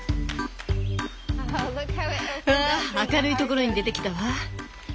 わあ明るいところに出てきたわ。